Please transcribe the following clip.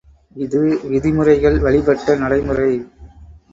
இது விதிமுறைகள் வழிப்பட்ட நடைமுறை.